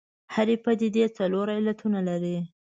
هرې پدیدې څلور علتونه لري.